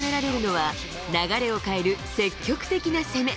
八村に求められるのは、流れを変える積極的な攻め。